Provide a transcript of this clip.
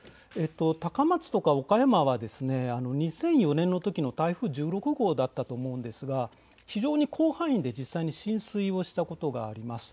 高松や岡山は２００４年のときの台風１６号だったと思うんですが非常に広範囲で浸水したことがありました。